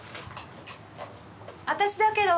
私だけど。